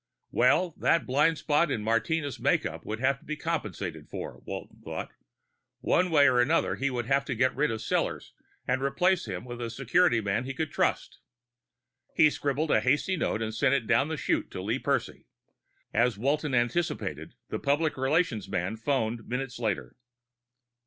Well, that blind spot in Martinez' makeup would have to be compensated for, Walton thought. One way or another, he would have to get rid of Sellors and replace him with a security man he could trust. He scribbled a hasty note and sent it down the chute to Lee Percy. As Walton anticipated, the public relations man phoned minutes later.